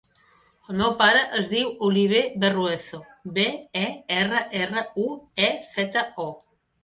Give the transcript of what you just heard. El meu pare es diu Oliver Berruezo: be, e, erra, erra, u, e, zeta, o.